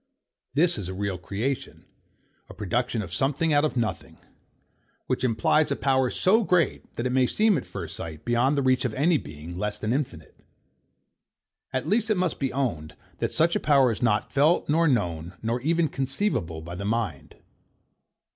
This is a real creation; a production of something out of nothing: Which implies a power so great, that it may seem, at first sight, beyond the reach of any being, less than infinite. At least it must be owned, that such a power is not felt, nor known, nor even conceivable by the mind.